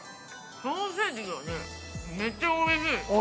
ソーセージがめっちゃおいしい。